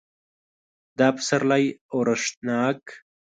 دا پسرلی اورښتناک